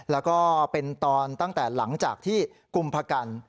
แล้วก็เป็นตอนตั้งแต่หลังจากที่กุมพกัน